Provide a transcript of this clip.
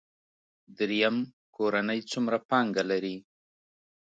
دریم کورنۍ څومره پانګه لري.